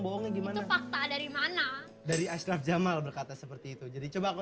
bohongnya gimana fakta dari mana dari ashraf jamal berkata seperti itu jadi coba kok